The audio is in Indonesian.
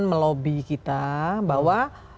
melobi kita bahwa